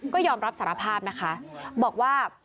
ก็ยอมรับสารภาพนะคะบอกว่า